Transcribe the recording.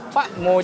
pak mau coba